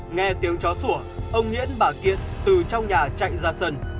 nghe tiếng chó sủa ông nguyễn bà kiện từ trong nhà chạy ra sân